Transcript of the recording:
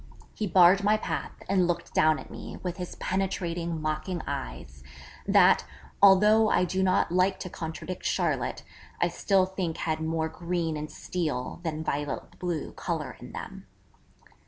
He barred my path and looked down at me with his penetrating, mocking eyes, that, although I do not like to contradict Charlotte, I still think had more green and steel, than violet blue, colour in them.